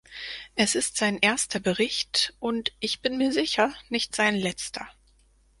Es ist sein erster Bericht, und, ich bin mir sicher, nicht sein letzter.